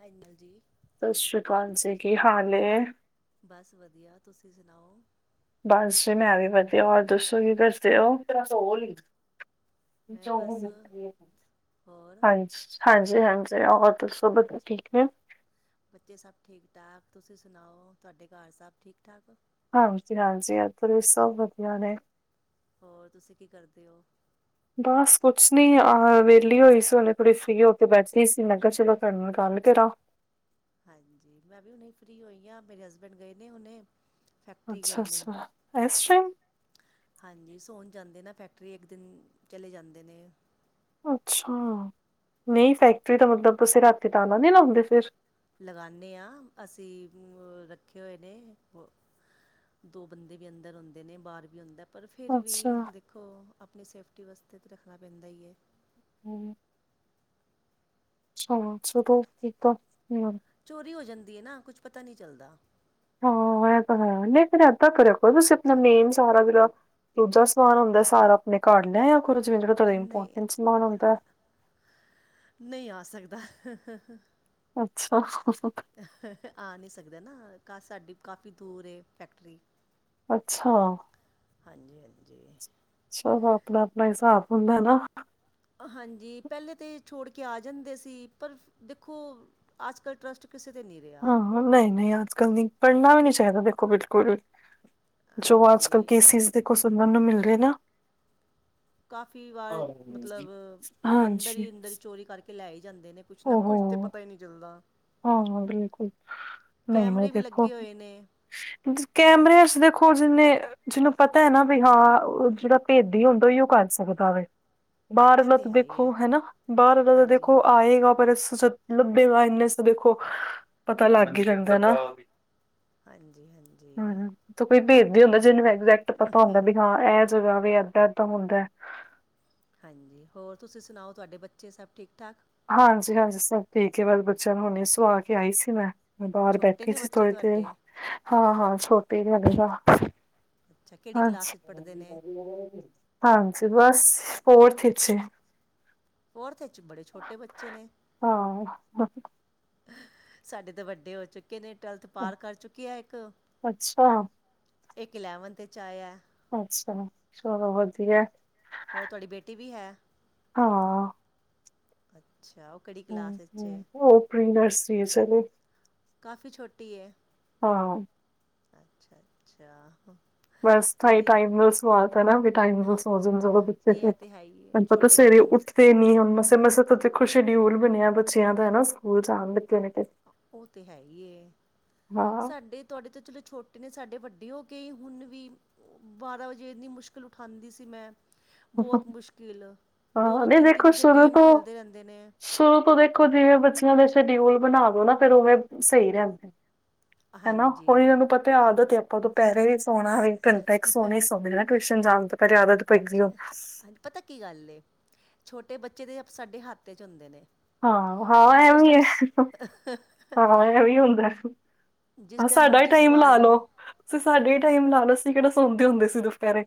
ਹਾਈਨਲ ਜੀ ਸਸ ਸ੍ਰੀ ਅਕਾਲ ਜੀ ਕੀ ਹਾਲ ਏ? ਬਸ ਵਧੀਆ ਤੁਸੀਂ ਸੁਣਾਓ ਬਸ ਜੀ ਮੈਂ ਵੀ ਵਧੀਆ ਹੋਰ ਦੱਸੋ ਕੀ ਦਸਦੇ ਓ? ਮੈਂ ਬਸ ਹੋਰ ਹਾਂਜੀ ਹਾਂਜੀ ਹਾਂਜੀ ਹੋਰ ਦਸੋ ਬਤ ਠੀਕ ਨੇ ਬੱਚੇ ਸਭ ਠੀਕ ਠਾਕ ਤੁਸੀਂ ਸੁਣਾਓ ਤੁਹਾਡੇ ਘਰ ਸਭ ਠੀਕ ਠਾਕ? ਹਾਂਜੀ ਹਾਂਜੀ ਇੱਧਰ ਵੀ ਸਭ ਵਧੀਆ ਨੇ। ਹੋਰ ਤੁਸੀਂ ਕੀ ਕਰਦੇ ਓ? ਬਸ ਕੁਛ ਨੀ ਅ ਵੇਲੀ ਹੋਈ ਸੀ ਹੁਣੇ ਥੋੜੀ ਫ੍ਰੀ ਹੋ ਕੇ ਬੈਠੀ ਸੀ ਮੈਂ ਕਿਆ ਚੋਲੋ ਤੁਆਡੇ ਨਾਲ ਗੱਲ ਕਰਾ। ਹਾਂਜੀ ਮੈਂ ਵੀ ਹੁਣੇ ਫ੍ਰੀ ਹੋਈ ਆ ਮੇਰੇ ਹਸਬੈਂਡ ਗਏ ਨੇ ਹੁਣੇ ਫੈਕਟਰੀ ਅੱਛਾ ਗਏ ਨੇ ਅੱਛਾ ਇਸ ਟਾਈਮ ਹਾਂਜੀ ਸੋਣ ਜਾਂਦੇ ਨਾ ਫੈਕਟਰੀ ਇੱਕ ਦਿਨ ਚਲੇ ਜਾਂਦੇ ਨੇ ਅੱਛਾ, ਨਈ ਫੈਕਟਰੀ ਦਾ ਮਤਲਬ ਤੁਸੀ ਰਾਤੀ ਤਾਲਾ ਨੀ ਲਾਂਦੇ ਫਿਰ ਲਗਾਣੇ ਆ ਅਸੀਂ ਰੱਖੇ ਹੋਏ ਨੇ ਦੋ ਬੰਦੇ ਵੀ ਅੰਦਰ ਹੁੰਦੇ ਨੇ ਬਾਰ ਵੀ ਹੁੰਦਾ ਪਰ ਫਿਰ ਵੀ ਅੱਛਾ ਦੇਖੋ ਆਪਣੀ ਸੇਫਟੀ ਵਾਸਤੇ ਤਾਂ ਰੱਖਣਾ ਪੈਂਦਾ ਈ ਐ। ਹੂੰ ਚਲੋ ਸ਼ੁਕਰ ਕੀਤਾ, ਨਿਆਣੇ ਚੋਰੀ ਹੋ ਜਾਂਦੀ ਐ ਨਾ, ਕੁਛ ਪਤਾ ਨੀ ਚੱਲਦਾ ਹਾਂ ਐ ਤਾਂ ਹੈ ਨਈ ਫੇਰ ਇੱਧਾਂ ਕਰਿਆ ਕਰੋ ਨਾ ਤੁਸੀਂ ਆਪਣਾ ਮੇਨ ਸਾਰਾ ਜ ਦੂਜਾ ਸਮਾਨ ਹੁੰਦਾ ਸਾਰਾ ਆਪਣੇ ਘੱਰ ਲਿਆ ਕਰੋ ਜਿਵੇ ਜਿਹੜਾ ਤੁਹਾਡਾ ਨਈ ਇੰਪੋਰਟੈਂਟ ਸਮਾਨ ਹੁੰਦਾ ਨਈ ਆ ਸਕਦਾ। ਅੱਛਾ ਆ ਨੀ ਸਕਦਾ ਨਾ ਕਾ ਸਾਡੀ ਕਾਫੀ ਦੂਰ ਫੈਕਟਰੀ ਅੱਛਾ ਹਾਂਜੀ ਹਾਂਜੀ ਚਲੋ ਆਪਣਾ-ਆਪਣਾ ਹਿਸਾਬ ਹੁੰਦਾ ਨਾ ਹਾਂਜੀ ਪੈਲੇ ਤੇ ਛੋੜ ਕੇ ਆ ਜਾਂਦੇ ਸੀ ਪਰ ਦੇਖੋ ਅੱਜ ਕੱਲ੍ਹ ਟਰੱਸਟ ਕਿਸੇ 'ਤੇ ਨੀ ਰਿਆ ਨਈ-ਨਈ ਅੱਜ ਕੱਲ ਨੀ ਪੜ੍ਹਨਾ ਵੀ ਨੀ ਚਾਈਦਾ ਦੇਖੋ ਬਿਲਕੁਲ ਵੀ ਜੋ ਅੱਜ ਕੱਲ੍ਹ ਹਾਂਜੀ ਕੇਸਿਸ ਦੇਖੋ ਸੁਣਨ ਨੂੰ ਮਿਲ ਰੇ ਨਾ ਕਾਫ਼ੀ ਵਾਰ ਮਤਲਬ ਅੰਦਰ ਹਾਂਜੀ ਈ ਅੰਦਰ ਚੋਰੀ ਕਰਕੇ ਲੈ ਈ ਜਾਂਦੇ ਨੇ ਕੁਛ ਨਾ ਓਹੋ ਕੁੱਛ ਤੇ ਪਤਾ ਈ ਨਈ ਚੱਲਦਾ। ਹਾਂ ਹਾਂ ਬਿਲਕੁਲ ਨਈ ਉਹ ਕੈਮਰੇ ਵੀ ਦੇਖੋ ਲੱਗੇ ਹੋਏ ਨੇ ਕੈਮਰੇ ਚ ਦੇਖੋ ਜਿੰਨੇ ਜਿਹਨੂੰ ਪਤਾ ਐ ਨਾ ਵੀ ਹਾਂ ਉਹ ਜਿਹੜਾ ਭੇਦੀ ਹੁੰਦਾ ਓਇਓ ਕਰ ਸਕਦਾ ਵੈ। ਇਹ ਬਾਰਲਾਂ ਤੇ ਹੈ ਹੀ ਦੇਖੋ ਹੈ ਹੈਨਾ ਬਾਰਲਾ ਤਾਂ ਹਾਂਜੀ ਦੇਖੋ ਹਾਂਜੀ ਆਏਗਾ ਪਰ ਲੱਭੇਗਾ ਇੰਨੇ ਦੇਖੋ ਪਤਾ ਲੱਗ ਈ ਜਾਂਦਾ ਨਾ ਹਾਂਜੀ ਹਾਂਜੀ ਹਮ ਕੋਈ ਬੇਦੀ ਹੁੰਦਾ ਜਿਹਨੂੰ ਐਗਜੈਕਟ ਪਤਾ ਹੁੰਦਾ ਵੀ ਹਾਂ ਇਹ ਜਗ੍ਹਾ ਵ ਏਦਾਂ ਏਦਾਂ ਹੁੰਦਾ। ਹਾਂਜੀ ਹੋਰ ਤੁਸੀਂ ਸੁਣਾਓ ਤੁਹਾਡੇ ਬੱਚੇ ਸਭ ਠੀਕ ਠਾਕ ਹਾਂਜੀ ਹਾਂਜੀ ਸਭ ਠੀਕ ਐ ਵਲ ਬੱਚਿਆਂ ਨੂੰ ਹੁਣੀ ਸੁਵਾ ਕੇ ਆਈ ਸੀ ਮੈਂ ਮੈਂ ਬਾਰ ਛੋਟੇ ਬੈਠੀ ਨੇ ਸੀ ਬੱਚੇ ਥੋੜੀ ਦੇਰ ਤੁਹਾਡੇ ਹਾਂ ਹਾਂ ਛੋਟੀੇ ਨੀ ਲਗਦਾ ਅੱਛਾ ਕਿਹੜੀ ਕਲਾਸ ਚ ਪੜ੍ਹਦੇ ਨੇ ਹਾਂਜੀ ਬਸ ਫੋਰਥ ਵਿੱਚ ਐ ਫੋਰਥ ਚ ਬੜੇ ਛੋਟੇ ਬੱਚੇ ਨੇ ਹਾਂ ਸਾਡੇ ਤੇ ਵੱਡੇ ਹੋ ਚੁੱਕੇ ਨੇ ਟਵੈਲਥ ਪਾਰ ਕਰ ਚੁੱਕੇ ਆ ਇੱਕ ਅੱਛਾ ਇੱਕ ਇਲੈਵਨਥ ਤੇ ਚ ਆਇਆ। ਅੱਛਾ, ਚਲੋ ਵਧੀਆ। ਹੋਰ ਤੁਹਾਡੀ ਬੇਟੀ ਵੀ ਹੈ। ਹਾਂ। ਅੱਛਾ, ਉਹ ਕਿਹੜੀ ਕਲਾਸ ਈਚ ਐ? ਪ੍ਰਰੀ ਨਰਸਰੀ ਚ ਏ ਓ। ਕਾਫ਼ੀ ਛੋਟੀ ਐ। ਹਾਂ। ਅੱਛਾ, ਅੱਛਾ। ਬਸ ਤਾਂਈ ਮੇਰੀ ਟਾਈਮ ਨਾਲ ਸਵਾਤਾ ਐ ਨਾ ਵੀ ਟਾਈਮ ਨਾਲ ਸੋਜਨ ਨਹੀਂ ਇਹ [unintelligible] ਤਾਂ ਹੈ ਹੀ ਹੈ ਹੁਣ ਪਤਾ ਛੋਟੇ ਸਵੇਰੇ ਬੱਚਿਆਂ ਉੱਠਦੇ ਨੀ ਹੁਣ ਮਸੇ ਮਸੇ ਸ਼ਡਿਊਲ ਬਣਿਆ ਬੱਚਿਆਂ ਦਾ ਹਨਾ ਸਕੂਲ ਜਾਣ ਲਗੇ ਨੇ ਤੇ। ਉਹ ਤੇ ਹੈ ਹੀ ਐ, ਹਾਂ, ਸਾਡੇ ਤੁਹਾਡੇ ਤਾਂ ਚਲੋ ਛੋਟੇ ਨੇ, ਸਾਡੇ ਵੱਡੇ ਹੋ ਕੇ ਹੁਣ ਵੀ ਬਾਰਾਂ ਵਜੇ ਇੰਨੀ ਮੁਸ਼ਕਿਲ ਉਠਾਉਂਦੀ ਸੀ ਮੈਂ। ਬਹੁਤ ਮੁਸ਼ਕਿਲ, ਦੋ ਹਾਂ ਦੋ ਨਹੀਂ ਤਿੰਨ ਤਿੰਨ ਦੇਖੋ ਵਜੇ ਸ਼ੁਰੂ ਗੇਮ ਤੋਂ ਖੇਲਦੇ ਰਹਿੰਦੇ ਨੇ। ਸ਼ੁਰੂ ਤੋਂ ਦੇਖੋ ਜਿਵੇਂ ਬੱਚਿਆਂ ਦੇ ਸ਼ਡਿਊਲ ਬਣਾ ਦੋ ਨਾ ਫੇਰ ਉਵੇਂ ਸਹੀ ਰਹਿੰਦੇ ਨੇ। ਹਨਾ, ਉਹੀ ਹਾਂਜੀ ਓਹਨੂੰ ਪਤਾ ਆਦਤ ਹੀ ਆਪਾਂ ਦੁਪਹਿਰੇ ਵੀ ਸੋਹਣਾ ਵੇ, ਘੰਟਾ ਇਕ ਸੋਹਣਾ ਸੋਹਣਾ ਟੁਸ਼ਨ ਜਾਣ ਤੋ ਪਹਿਲਾ ਆਦਤ ਪਯੀ ਦੀ ਹ ਪਤਾ ਕੀ ਗੱਲ ਏ, ਛੋਟੇ ਬੱਚੇ ਦੇ ਸਾਡੇ ਹੱਥ ਚ ਹੁੰਦੇ ਨੇ। ਹਾਂ, ਹਾਂ, ਐ ਅਸੀਂ ਉਸ ਵੀਂ ਟਾਈਮ ਐ, ਹਾ ਐ ਵੀਂ ਹੁੰਦਾ। ਜਿਸ ਅ ਸਾਡਾ ਹੀ ਮਰਜ਼ੀ ਟਾਈਮ ਸੁਆ ਲਾ ਲੋ। ਲਓ ਸਾਡੇ ਟਾਈਮ ਲਾ ਲੋ ਅਸੀ ਕਿਹੜਾ ਸੌਦੇ ਹੁੰਦੇ ਸੀ ਦੁਪਹਿਰੇ,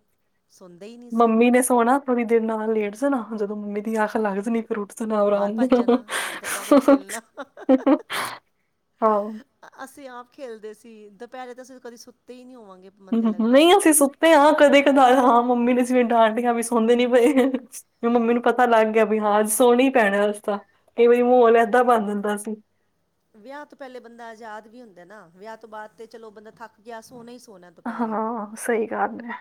ਸੌਂਦੇ ਹੀ ਨਹੀਂ ਸੀ ਮੰਮੀ ਨੇ ਸੋਣਾ ਥੋੜੀ ਦੇਰ ਨਾਲ ਲੇਟ ਜਾਣਾ, ਜਦੋਂ ਮੰਮੀ ਦੀ ਅੱਖ ਲੱਗ ਜਾਣੀ ਫਿਰ ਉੱਠ ਜਾਣਾ ਬਾਹਰ ਆਰਾਮ ਨਾਲ। ਭੱਜ ਜਾਣਾ ਦੁਪਹਿਰੇ ਖੇਲਣਾ ਆਹੋ। ਅ-ਅਸੀਂ ਆਪ ਖੇਲਦੇ ਸੀ ਦੁਪਹਿਰੇ ਤੇ ਅਸੀਂ ਕਦੇ ਸੁੱਤੇ ਹੀ ਨਹੀਂ ਹੋਵਾਂਗੇ। ਮਨ ਤਾਂ ਲੱਗਦਾ ਨਹੀਂ ਅਸੀਂ ਹੈ ਸੁੱਤੇ ਤੇ ਹਾਂ ਕਦੇ ਕਦਾਰ ਹਾਂ ਮੰਮੀ ਨੇ ਸੀਵੇ ਡਾਂਟਦੇ ਵੀ ਸੌਦੇ ਨੀ ਪਏ, ਮੰਮੀ ਨੂੰ ਪਤਾ ਲੱਗ ਗਿਆ। ਹਾਂ, ਸੋਨਾ ਹੀ ਪੈਣ ਅੱਜ ਤਾਂ, ਕਈ ਵਾਰ ਮਾਹੌਲ ਏਦਾਂ ਬਣ ਜਾਂਦਾ ਸੀ। ਵਿਆਹ ਤੋਂ ਪਹਿਲੇ ਬੰਦਾ ਆਜ਼ਾਦ ਵੀ ਹੁੰਦਾ ਨਾ, ਵਿਆਹ ਤੋਂ ਬਾਅਦ ਤੇ ਚਲੋ ਬੰਦਾ ਥੱਕ ਗਿਆ ਸੋਣਾ ਹੀ ਸੋਣਾ। ਦੁਪਹਿਰੇ ਹਾਂ, ਸਹੀ ਗੱਲ ਐ।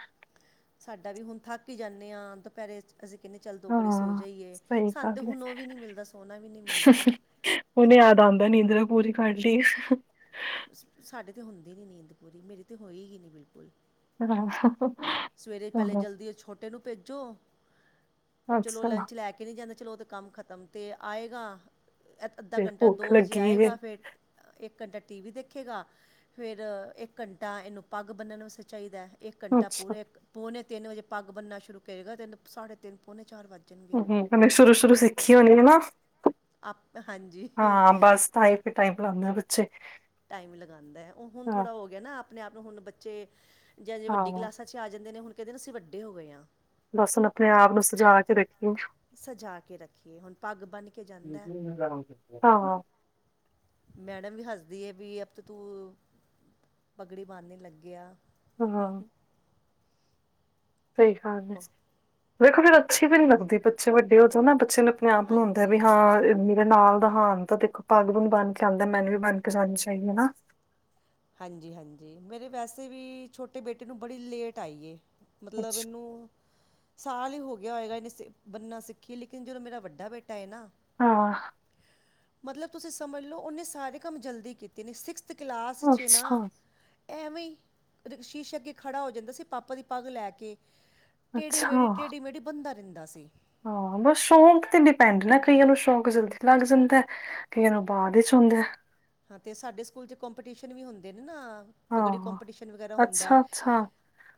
ਸਾਡਾ ਵੀ ਹੁਣ ਥੱਕ ਹੀ ਜਾਂਨੇ ਹਾਂ ਦੁਪਹਿਰੇ ਅਸੀਂ ਕਹਿੰਦੇ ਚੱਲ ਦੋ ਕੜੀ ਸੋ ਹਾਂ ਜਾਈਏ, ਸਹੀ ਸਾਨੂੰ ਤਾਂ ਗੱਲ ਹੁਣ ਉਹ ਵੀ ਨਹੀਂ ਮਿਲਦਾ ਸੋਹਣਾ ਵੀ ਨਹੀਂ ਮਿਲਦਾ। ਹੁਣ ਯਾਦ ਆਂਦਾ, ਨੀਂਦਰਾ ਪੂਰੀ ਕਰ ਲਇਏ। ਸਾਡੇ ਤਾਂ ਹੁੰਦੀ ਨੀਂਦ ਪੂਰੀ, ਮੇਰੀ ਤੇ ਹੋਈ ਗੀ ਨਹੀਂ ਬਿਲਕੁਲ। ਹਾਂ ਸਵੇਰੇ ਪਹਿਲੇ ਹੂੰ, ਜਲਦੀ ਉਹ ਛੋਟੇ ਨੂੰ ਭੇਜੋ ਚਲੋ ਅੱਛਾ ਲੰਚ ਲੈ ਕੇ ਨਹੀਂ ਜਾਂਦਾ ਚਲੋ ਉਹ ਤਾਂ ਕੰਮ ਖਤਮ, ਤੇ ਆਏਗਾ ਏ ਅੱਧਾ ਫਿਰ ਘੰਟਾ ਭੁੱਖ ਦੋ ਵਜੇ ਲੱਗੀ ਏ, ਆਏਗਾ ਫਿਰ ਇੱਕ ਘੰਟਾ ਟੀ-ਵੀ ਦੇਖੇਗਾ, ਫੇਰ ਇੱਕ ਘੰਟਾ ਇਹਨੂੰ ਪੱਗ ਬੰਨਣ ਵਾਸਤੇ ਚਾਹੀਦਾ ਐ। ਇਹ ਘੰਟਾ ਅੱਛਾ ਪੂਰੇ ਇਕ, ਪੌਣੇ ਤਿੰਨ ਵਜੇ ਪੱਗ ਬਣਨਾ ਸ਼ੁਰੂ ਕਰੇਗਾ ਦਿਨ ਸਾਢੇ ਤਿੰਨ ਪੌਣੇ ਚਾਰ ਵੱਜ ਜਾਣਗੇ ਹੁੰ, ਹੁੰ, ਉੰਨੇ ਸ਼ੁਰੂ ਸ਼ੁਰੂ ਸਿੱਖੀ ਹੋਣੀ ਹਨਾ ਆਪ, ਹਾਂਜੀ। ਤਾਂਈ ਟਾਈਮ ਲਾਂਦੇ ਬੱਚੇ। ਟਾਈਮ ਲਗਾਂਦਾ ਐ। ਉਹ ਹੁਣ ਹਾਂ, ਥੋੜ੍ਹਾ ਹੋ ਗਿਆ ਨਾ ਆਪਣੇ ਆਪ ਨੂੰ ਹੁਣ ਬੱਚੇ ਜਾਂ ਜੇ ਵੱਡੀ ਹਾਂ ਕਲਾਸਾਂ ਚ ਚੇ ਆ ਜਾਂਦੇ ਨੇ ਹੁਣ ਕਹਿੰਦੇ ਅਸੀਂ ਵੱਡੇ ਹੋਏਗੇ ਹਾਂ। ਬਸ ਹੁਣ ਆਪਣੇ ਆਪ ਨੂੰ ਸਜਾ ਕੇ ਰੱਖੀਏ। ਸਜਾ ਕੇ ਰੱਖੀਏ, ਹੁਣ ਪੱਗ ਬੰਨ੍ਹ ਕੇ ਜਾਂਦਾ। ਮੈਡਮ ਵੀ ਹੱਸਦੀ ਵੀ ਅਬ ਤੋ ਤੂੰ ਪਗੜੀ ਬਾਦਨੇ ਲੱਗਿਆ। ਹਾਂ। ਸਈ ਗੱਲ ਐ। ਵੇਖੋ ਫਿਰ ਅੱਛੀ ਵੀ ਨੀ ਲੱਗਦੀ ਬੱਚੇ ਵੱਡੇ ਹੋ ਜਾ ਨਾ ਬੱਚੇ ਨੂੰ ਅਪਣੇ ਆਪ ਨੂੰ ਹੁੰਦੈ ਵੀ ਹਾਂਜੀ ਹਾਂ ਇਨੀ ਨਾਲ ਦਾ ਹਾਨ ਤਾਂ ਦੇਖੋ ਪੱਗ ਪੁਗ ਬਣ ਕੇ ਆਉਂਦਾ ਮੈਨੂੰ ਵੀ ਬਣ ਕੇ ਜਾਣੀ ਚਾਹੀਦੀ ਨਾ ਹਾਂਜੀ, ਹਾਂਜੀ ਮੇਰੇ ਵੈਸੇ ਵੀ ਛੋਟੇ ਬੇਟੇ ਨੂੰ ਬੜੀ ਲੇਟ ਆਈ ਏ ਮਤਲਬ ਅੱਛਾ ਇਹਨੂੰ ਸਾਲ ਈ ਹੋ ਗਿਆ ਹੋਏਗਾ ਇਹਨੇ ਬਣਨਾ ਸਿੱਖੀ ਲੇਕਿਨ ਜਦੋਂ ਮੇਰਾ ਵੱਡਾ ਬੇਟਾ ਏ ਨਾ ਹਾਂ ਮਤਲਬ ਤੁਸੀਂ ਸਮਝ ਲਓ ਓਨੇ ਸਾਰੇ ਕੰਮ ਜਲਦੀ ਕੀਤੇ ਨੇ ਸਿਕਸਥ ਕਲਾਸ 'ਚ ਨਾ ਅੱਛਾ, ਐਂਵੇ ਈ ਸ਼ੀਸ਼ੇ ਅੱਗੇ ਖੜਾ ਹੋ ਜਾਂਦਾ ਸੀ ਪਾਪਾ ਦੀ ਪੱਗ ਲੈ ਕੇ ਟੇਡੀ ਮੇਡੀ, ਅੱਛਾ। ਟੇਡੀ-ਮੇਡੀ ਬੰਦਾ ਰਹਿੰਦਾ ਸੀ। ਹਾਂ ਬਸ ਸ਼ੌਕ ਤੇ ਡਿਪੈਂਡ ਨਾ ਕਈਆਂ ਨੂੰ ਸ਼ੌਕ ਜਲਦੀ ਲੱਗ ਜਾਂਦਾ। ਕਈਆਂ ਨੂੰ ਬਾਦ ਚ ਹੁੰਦਾ। ਹਾਂ ਤੇ ਸਾਡੇ ਸਕੂਲ ਚ ਕੰਪੀਟੀਸ਼ਨ ਵੀ ਹੁੰਦੇ ਨੇ ਨਾ ਪਗੜੀ ਹਾਂ ਕੋਂਪੀਟੀਸ਼ਨ ਵਗੈਰਾ ਹੁੰਦਾ ਅੱਛਾ ਅੱਛਾ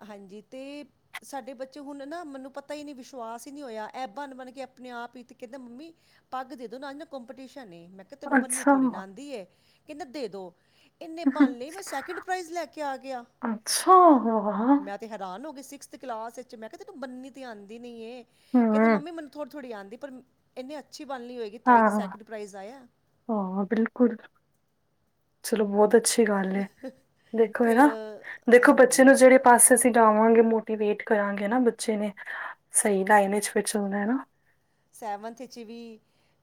ਹਾਂਜੀ ਤੇ ਸਾਡੇ ਬੱਚੇ ਹੁਣ ਨਾ ਮੈਨੂੰ ਪਤਾ ਈ ਨੀ ਵਿਸ਼ਵਾਸ ਈ ਨਈ ਹੋਇਆ ਐ ਬਣ, ਬਣ ਕੇ ਆਪਣੇ ਆਪ ਈ ਤੇ ਕਹਿੰਦਾ ਮੰਮੀ ਪੱਗ ਦੇ ਦੋ ਨਾ ਅਜ ਨਾ ਕਪੀਟੀਸ਼ਨ ਐ ਮੈਂ ਕਿਆ ਤੈਨੂੰ ਬੰਨੀ ਅੱਛਾ ਥੋੜ੍ਹੀ ਨਾ ਆਉਂਦੀ ਏ। ਕੈਨਦਾ ਦੇ ਦੋ ਇੰਨੇ ਬਣ ਲਈ ਮੈਂ ਸੈਕਿੰਡ ਪ੍ਰਾਈਜ਼ ਲੈ ਕੇ ਆ ਗਿਆ ਅੱਛਾ ਹਾਂ ਮੈਂ ਤੇ ਹੈਰਾਨ ਹੋ ਗਏ ਸਿਕਸਥ ਕਲਾਸ ਚ ਮੈਂ ਕਿਆ ਤੈਨੂੰ ਬੰਨੀ ਤੇ ਆਦੀ ਨੀ ਐ ਕੈਂਦਾ ਹਮ ਮੰਮੀ ਮੈਨੂੰ ਥੋੜ੍ਹੀ ਥੋੜ੍ਹੀ ਆਦੀ ਪਰ ਇੰਨੇ ਅੱਛੀ ਬਣ ਲਈ ਹੋਏਗੀ ਤਾਈ ਤਾਂ ਹਾਂ ਸੈਕਿੰਡ ਪ੍ਰਾਈਜ਼ ਆਇਆ। ਹਾਂ ਬਿਲਕੁਲ। ਚਲੋ ਬਹੁਤ ਅੱਛੀ ਗੱਲ ਐ ਦੇਖੋ ਹਨਾ ਫਿਰ ਦੇਖੋ ਬੱਚੇ ਹਾਂਜੀ ਨੂੰ ਜਿਹੜੇ- ਪਾਸੇ ਅਸੀਂ ਜਾਵਾਂਗੇ ਮੋਟੀਵੇਟ ਕਰਾਂਗੇ ਹਨਾ ਬੱਚੇ ਨੇ ਸਈ ਲਾਈਨ ਵਿਚ ਫਿਰ ਚੱਲਨਾ ਐ ਨਾ। ਸੈਵਨਥ 'ਚ ਵੀ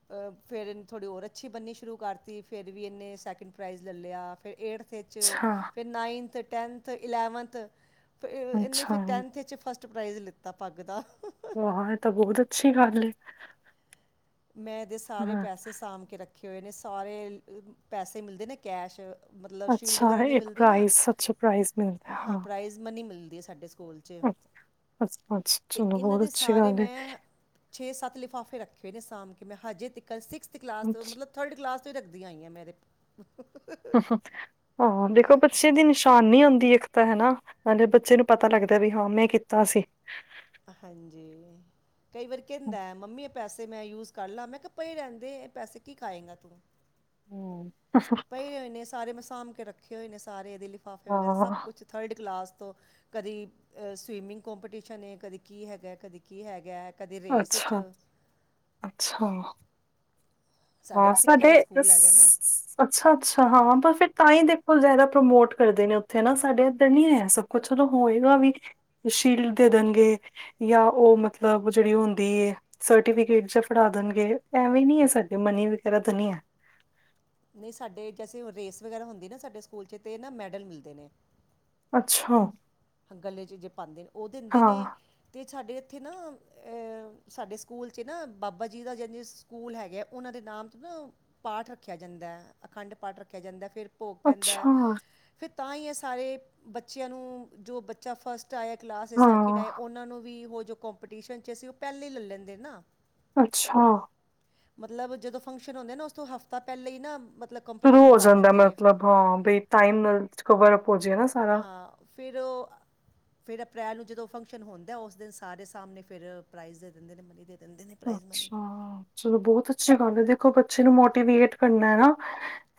ਅ ਫ਼ੇਰ ਇਨੇ ਥੋੜ੍ਹੀ ਹੋਰ ਅੱਛੀ ਬਣ੍ਹਨੀ ਸ਼ੁਰੂ ਕਰਤੀ ਫ਼ੇਰ ਵੀ ਇਨੇ ਸੈਕਿੰਡ ਪ੍ਰਾਈਜ਼ ਲੈ ਲਿਆ ਫਿਰ ਏਠਥ ਵਿੱਚ ਚ ਅੱਛਾ ਫੇਰ ਨਾਈਨਥ, ਟੈਨਥ, ਇਲੈਵਨਥ ਫੇਰ ਐਨੇ ਅੱਛਾ ਫੇਰ ਟੈਨਥ ਚ ਫਸ ਫਸਟ ਪ੍ਰਾਈਜ਼ ਲਿੱਤਾ ਪੱਗ ਦਾ। ਹਾਂ ਇਹ ਤਾਂ ਬਹੁਤ ਅੱਛੀ ਗੱਲ ਏ ਮੈਂ ਐਦੇ ਸਾਰੇ ਪੈਸੇ ਸਾਂਭ ਕੇ ਰੱਖੇ ਹੋਏ ਨੇ ਸਾਰੇ ਪੈਸੇ ਮਿਲਦੇ ਨੇ ਕੈਸ਼ ਮਤਲਬ ਸ਼ੀਲਡ ਅੱਛਾ ਵਗੈਰਾ ਨੀ ਇੱਕ ਮਿਲਦੀ ਨਾ ਪ੍ਰਾਈਜ਼ ਅੱਛਾ ਪ੍ਰਾਈਜ਼ ਮਿਲਦਾ ਹੈ। ਹਾਂ ਪ੍ਰਾਈਜ਼ ਮਨੀ ਮਿਲਦੀ ਐ ਸਾਡੇ ਸਕੂਲ ਚ ਅੱਛਾ, ਅੱਛਾ ਤੇ ਚਲੋ ਇਨਾਂ ਬਹੁਤ ਦੇ ਅੱਛੀ ਸਾਰੇ ਗੱਲ ਏ, ਮੈਂ ਛੇ ਸੱਤ ਲਿਫਾਫੇ ਰੱਖੇ ਨੇ ਸਾਂਭ ਕੇ ਮੈਂ ਹਜੇ ਤਕਨ ਸਿਕਸਥ ਕਲਾਸ ਅੱਛ ਮਤਲਬ ਥਰਡ ਕਲਾਸ ਤੋ ਈ ਰੱਖਦੀ ਆਈ ਆ ਮੈਂ ਏਦੇ ਹਾਂ ਦੇਖੋ ਬੱਚੇ ਦੀ ਨਿਸ਼ਾਨੀ ਹੁਦੀ ਇੱਕ ਤਾਂ ਹਨਾ। ਨਾਲ਼ੇ ਬੱਚੇ ਨੂੰ ਪਤਾ ਲੱਗਦਾ ਵੀ ਹਾਂ ਮੈਂ ਐ ਕੀਤਾ ਸੀ। ਹਾਂਜੀ। ਕਈ ਵਾਰੀ ਕਹਿੰਦਾ ਮੰਮੀ ਐ ਪੈਸੇ ਮੈਂ ਯੂਜ ਕਰ ਲਾ ਮੈਂ ਕਿਆ ਪਏ ਰੈਣ ਦੇ ਏ ਪੈਸੇ ਕੀ ਖਾਏਗਾ ਤੂੰ ਹੂੰ ਪਏ ਹੋਏ ਨੇ ਸਾਰੇ ਮੈ ਸਾਂਭ ਕੇ ਰੱਖੇ ਹੋਏ ਨੇ ਸਾਰੇ ਇਹਦੇ ਲਿਫਾਫੇ ਵਗੈਰਾ ਸਭ ਹਾਂ, ਕੁਛ ਥਰਡ ਕਲਾਸ ਤੋਂ ਕਦੇ ਅ ਸਵੀਮਿੰਗ ਕੋਂਪੀਟੀਸ਼ਨ ਕਦੇ ਕੀ ਹੈਗਾ ਕਦੇ ਕੀ ਹੈਗਾ। ਕਦੇ ਰੇਸ ਚ ਅੱਛਾ, ਅੱਛਾ। ਸਾਡਾ ਹਾਂ ਵੀ ਸਿੱਖਾਂ ਸਾਡੇ ਦਾ ਸਕੂਲ ਹੈਗਾ ਨਾ ਸਸ ਅੱਛਾ, ਅੱਛਾ ਹਾਂ ਪਰ ਫ਼ੇਰ ਤਾਂਈ ਦੇਖੋ ਜ਼ਿਆਦਾ ਪ੍ਰਮੋਟ ਕਰਦੇ ਨੇ ਉੱਥੇ ਨਾ ਸਾਡੇ ਇੱਧਰ ਨੀ ਹੈ ਸਬ ਕੁਛਲੋਂ ਹੋਏਗਾ ਵੀ ਸ਼ੀਲਡ ਦੇ ਦੇਣਗੇ। ਜਾਂ ਉਹ ਮਤਲਬ ਜਿਹੜੀ ਹੁੰਦੀ ਐ ਸਰਟੀਫਿਕੇਟ ਜਾਂ ਫੜਾ ਦੇਣਗੇ ਐਵੇਂ ਨੀ ਹੈ ਸਾਡ ਵੀ ਕਰ ਤੇ ਨੀ ਐ ਨਈ ਸਾਡੇ ਜੈਸੇ ਰੇਸ ਵਗੈਰਾ ਹੁੰਦੀ ਨਾ ਸਾਡੇ ਸਕੂਲ 'ਚ ਤੇ ਨਾ ਮੈਡਲ ਮਿਲਦੇ ਨੇ ਅੱਛਾ। ਗਲੇ ਚ ਜੇ ਪਾਦੇ ਨੇ ਉਹ ਦਿੰਦੇ ਨੇ ਹਾਂ, ਤੇ ਸਾਡੇ ਇੱਥੇ ਨਾ ਸਾਡੇ ਸਕੂਲ 'ਚ ਨਾ ਬਾਬਾ ਜੀ ਦਾ ਜਿਨੇ ਸਕੂਲ ਹੈਗਾ ਓਨਾਂ ਦੇ ਨਾਮ ਤੋਂ ਨਾ ਪਾਠ ਰੱਖਿਆ ਜਾਂਦਾ ਐ, ਅਖੰਡ ਪਾਠ ਰੱਖਿਆ ਜਾਂਦਾ ਫੇਰ ਭੋਗ ਪੈਂਦਾ, ਅੱਛਾ। ਫੇਰ ਤਾਂ ਹੀ ਇਹ ਸਾਰੇ ਬੱਚਿਆਂ ਨੂੰ ਜੋ ਬੱਚਾ ਫਸਟ ਫਸਟ ਆਏ ਕਲਾਸ ਚ, ਸੈਕਿੰਡ ਆਏ ਹਾਂ, ਉਹਨਾਂ ਨੂੰ ਵੀ ਉਹ ਜੋ ਕੰਪੀਟੀਸ਼ਨ ਚ ਅਸੀਂ ਉਹ ਪਹਿਲਾਂ ਹੀ ਲੈ ਲੈਂਦੇ ਨਾ। ਅੱਛਾ। ਮਤਲਬ ਜਦੋਂ ਫੰਕਸ਼ਨ ਹੁੰਦੇ ਨਾ ਉਸ ਤੋਂ ਹਫ਼ਤਾ ਪਹਿਲੇ ਹੀ ਨਾ ਮਤਲਬ ਸ਼ੁਰੂ ਕੰਪੀਟੀਸ਼ਨ ਹੋ ਕਰ ਜਾਂਦਾ ਦਿੰਦੇ ਨੇ ਮਤਲਬ ਹਾਂ ਬਈ ਟਾਈਮ ਨਾਲ ਕਵਰ ਅਪ ਹੋ ਜਾਏ ਨਾ ਸਾਰਾ। ਹਾਂ ਫਿਰ ਓ ਫੇਰ ਅਪ੍ਰੈਲ ਨੂੰ ਜਦੋਂ ਫੰਕਸ਼ਨ ਹੁੰਦਾ ਉਸ ਦਿਨ ਸਾਰੇ ਸਾਹਮਣੇ ਫੇਰ ਪ੍ਰਾਈਜ਼ ਦੇ ਦਿੰਦੇ ਨੇ [unintelligible] ਦਿੰਦੇ ਨੇ ਪ੍ਰਾਈਜ਼ ਮਨੀ। ਅੱਛਾ, ਚਲੋ ਬਹੁਤ ਅੱਛੀ ਗੱਲ ਐ, ਦੇਖੋ ਬੱਚੇ ਨੂੰ ਮੋਟੀਵੇਟ ਕਰਨਾ ਐ ਨਾ।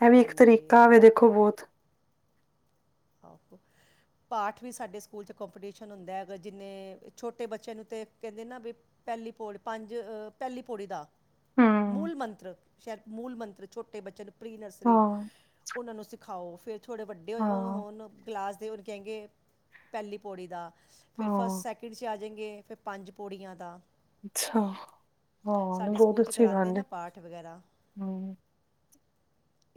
ਇਹ ਵੀ ਇੱਕ ਹਾਂਜੀ ਤਰੀਕਾ ਵੇ ਦੇਖੋ ਬਹੁਤ। ਆਹੋ, ਪਾਠ ਵੀ ਸਾਡੇ ਸਕੂਲ ਚ ਕੰਪੀਟੀਸ਼ਨ ਹੁੰਦਾ ਐ, ਅਗਰ ਜਿੰਨੇ ਛੋਟੇ ਬੱਚਿਆਂ ਨੂੰ ਤਾਂ ਕਹਿੰਦੇ ਨਾ ਵੀ ਪਹਿਲੀ ਪੌੜੀ ਪੰਜ ਆ ਪਹਿਲੀ ਪੌੜੀ ਦਾ। ਹੂੰ, ਮੂਲ ਮੰਤਰ ਸ਼ਇਦ ਮੂਲ ਮੰਤਰ ਛੋਟੇ ਬੱਚੇ ਨੂੰ ਪ੍ਰੀ ਨਰਸਰੀ ਹਾਂ, ਉਹਨਾਂ ਨੂੰ ਸਿਖਾਓ, ਫੇਰ ਥੋੜ੍ਹੇ ਵੱਡੇ ਹੋ ਔਰ ਹਾਂ। ਹੁਣ ਕਲਾਸ ਦੇ ਉਹਨੂੰ ਕਹਿੰਗੇ ਪਹਿਲੀ ਪੋੜੀ ਦਾ, ਫੇਰ ਫਸਟ, ਹਾਂ, ਸੈਕਿੰਡ ਚ ਆ ਜੇਗੇ ਫੇਰ ਪੰਜ ਪੌੜੀਆਂ ਦਾ ਅੱਛਾ। ਹਾਂ ਨਾ ਸਾਡੇ ਬਹੁਤ ਸਕੂਲ 'ਚ ਅੱਛੀ ਕਰਾਉਂਦੇ ਗੱਲ ਨਾ ਪਾਠ ਵਗੈਰਾ ਏ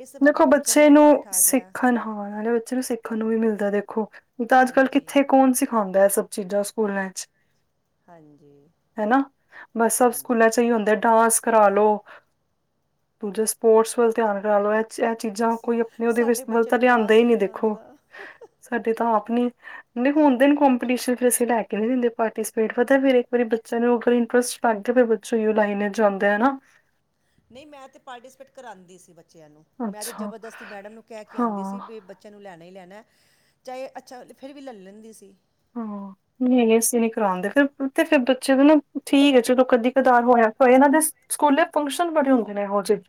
ਇਸ ਬਹਾਨੇ ਦੇਖੋ ਬੱਚਿਆਂ ਬੱਚੇ ਵੀ ਨੂੰ ਪਾਠ ਆ ਗਿਆ ਸਿੱਖਣ ਹਾਂ, ਨਾਲ਼ੇ ਬੱਚੇ ਨੂੰ ਸਿੱਖਣ ਨੂੰ ਵੀ ਮਿਲਦਾ ਦੇਖੋ ਨੀਂ ਤਾਂ ਅੱਜ ਕੱਲ੍ਹ ਹਾਂਜੀ ਕਿੱਥੇ ਕੌਣ ਸਿਖਾਂਦਾ ਐ ਸਭ ਜਿਦਾ ਸਕੂਲਾਂ ਚ ਹਾਂਜੀ ਹੇਨਾ, ਬਸ ਸਭ ਹਾਂਜੀ ਸਕੂਲ ਚ ਹੀ ਹੁੰਦਾ ਐ ਡਾਂਸ ਕਰਾਲੋ ਦੂਜੇ ਸਪੋਰਟਸ ਵੱਲ ਧਿਆਨ ਕਰ ਲੋੋ। ਇਹ ਚੀਜ਼ਾਂ ਕੋਈ ਆਪਣੇ ਉਹਦੇ ਵਿੱਚ ਸਾਡੇ ਮਤਲਬ ਬੱਚੇ ਤਾਂ ਨੂੰ ਲਿਆਂਦਾ ਡਾਂਸ ਹੀ ਨਹੀਂ ਦੇਖੋ, ਆਉਂਦਾ ਸਾਡੇ ਤਾਂ ਆਪਣੇ ਨਹੀਂ ਹੁੰਣ ਤੇ ਨਹੀਂ ਕੋਮਪੀਟੀਸ਼ਨ ਚ ਅਸੀਂ ਲੈ ਕੇ ਨਹੀਂ ਦਿੰਦੇ ਪਾਰਟੀਸਿਪੇਟ। ਪਤਾ ਫਿਰ ਇੱਕ ਵਾਰੀ ਬੱਚੇ ਨੂੰ ਫੇਰ ਇੰਟਰਸਟ ਪੰਥ ਦੇ ਬੱਚੋਂ ਹੀ ਲਾਈਨੇ ਜਾਂਦੇ ਐ ਹਨਾ। ਨਹੀਂ ਮੈਂ ਤਾਂ ਪਾਰਟੀਸਪੇਟ ਕਰਾਂਦੀ ਸੀ ਬੱਚਿਆਂ ਨੂੰ, ਮੈਂ ਤਾਂ ਅੱਛਾ ਜਬਰਦਸਤੀ ਮੈਡਮ ਨੂੰ ਕਹਿ ਕੇ ਆਂਦੀ ਹਾਂ ਸੀ ਵੀ ਬ ਬੱਚਿਆਂ ਨੂੰ ਲੈਣਾ ਹੀ ਲੈਣਾ, ਚਾਹੇ ਅੱਛਾ ਫੇਰ ਵੀ ਲੈ ਲੈਂਦੀ ਸੀ। ਹਾਂ, ਨਹੀਂ ਅੱਸੀ ਨੀ ਕਰਾਂਦੇ ਫੇਰ ਤੇ ਫੇਰ ਬੱਚੇ ਦਾ ਨਾ ਠੀਕ ਐ ਚਲੋ ਕਦੀ ਕਦਾਰ ਹੋਇਆ ਹੋਇਆ ਨਾ, ਇਹਨਾਂ ਦੇ ਸਕੂਲੇ ਫੰਕਸ਼ਨ ਬੜੇ ਹੁੰਦੇ ਨੇ ਇਹੋ ਜੇ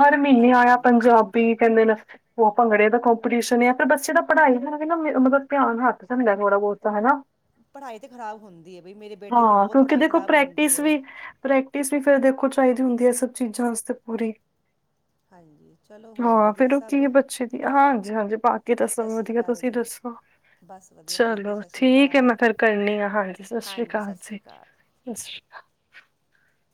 ਹਰ ਮਹੀਨੇ ਆਇਆ ਹਾਂਜੀ ਪੰਜਾਬ ਵੀ ਕਹਿੰਦੇ ਨੇ ਉਹ ਭੰਗੜੇ ਦਾ ਕੰਪੀਟੀਸ਼ਨ ਏ ਆ ਫੇਰ ਬੱਚੇ ਤਾਂ ਪੜ੍ਹਾਈ ਨਾਲ ਵੀ ਨਾ ਮਤਲਬ ਧਿਆਨ ਹੱਥ ਜਾਂਡਦਾ ਥੋੜਾ ਬਹੁਤ। ਹਨਾ। ਪੜ੍ਹਾਈ ਤਾਂ ਖ਼ਰਾਬ ਹੁੰਦੀ ਐ ਬਈ, ਮੇਰੇ ਬੇਟੇ ਦੀ ਬਹੁਤ ਪੜ੍ਹਾਈ ਖ਼ਰਾਬ ਹੁੰਦੀ ਐ। ਪ੍ਰੈਕਟਿਸ ਵੀ ਫੇਰ ਦੇਖੋ ਚਾਹੀਦੀ ਹੁੰਦੀ ਐ ਸਭ ਚੀਜ਼ਾਂ ਵਾਸਤੇ ਪੂਰੀ, ਹਾਂਜੀ ਚਲੋ ਹੋਰ ਹਾਂ, ਵਧੀਆ ਫੇਰ ਉਹ ਕੀ ਸਭ ਹੈ ਬੱਚੇ ਦੀ, ਹਾਂਜੀ-ਹਾਂਜੀ, ਪਾ ਕੇ ਦਸੋ, ਸਤਿ ਸ਼੍ਰੀ ਵਧੀਆ, ਅਕਾਲ ਤੁਸੀਂ ਜੀ ਦੱਸੋ ਬਸ ਵਧੀਆ, ਠੀਕ ਐ ਚਲੋ ਸਤਿ ਸ਼੍ਰੀ ਠੀਕ ਐ ਮੈਂ ਅਕਾਲ ਫੇਰ ਕਰਨੀ ਆ, ਹਾਂਜੀ, ਸਤਿ ਸ਼੍ਰੀ ਹਾਂਜੀ ਅਕਾਲ ਸਤਿ ਸ਼੍ਰੀ ਜੀ, ਅਕਾਲ ਸਤਿ ਸ਼੍ਰੀ ਅਕਾਲ।